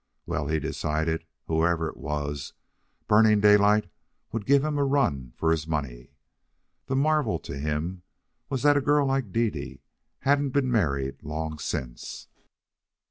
Well, he decided, whoever it was, Burning Daylight would give him a run for his money. The marvel to him was that a girl like Dede hadn't been married long since.